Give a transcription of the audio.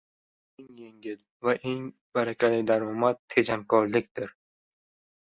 Eng yengil va eng barakali daromad tejamkorlikdir.